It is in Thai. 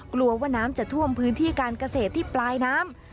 กลัวว่าน้ำจะท่วมพื้นที่การเกษตรที่ปลายน้ำ